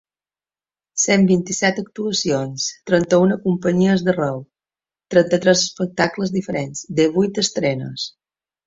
Cent vint-i-set actuacions, trenta-una companyies d’arreu, trenta-tres espectacles diferents, divuit estrenes.